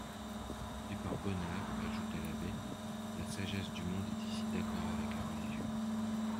Et par bonheur, ajoutait l'abbé, la sagesse du monde est ici d'accord avec la religion.